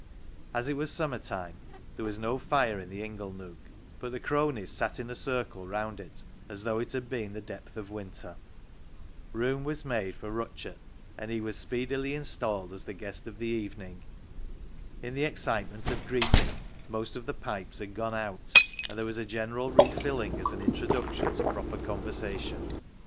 As it was summer time, there was no fire in the ingle nook, but the cronies sat in a circle round it as though it had been the depth of winter. Room was made for " Rutchart," and he was speedily installed as the guest of the evening. In the excitement of greeting, most of the pipes had gone out, and there was a general refilling as an introduction to proper con versation.